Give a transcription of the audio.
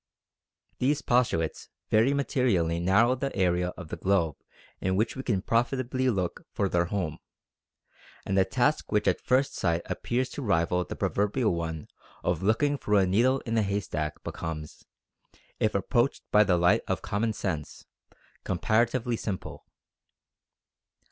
These postulates very materially narrow the area of the globe in which we can profitably look for their home; and a task which at first sight appears to rival the proverbial one of looking for a needle in a haystack becomes, if approached by the light of common sense, comparatively simple.